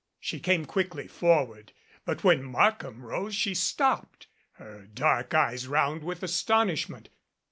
She came quickly forward, but when Markham rose she stopped, her dark eyes round with astonishment.